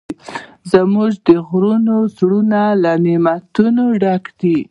زموږ د غرونو زړه له نعمتونو ډک دی.